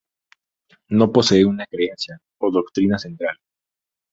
No posee una creencia o doctrina central.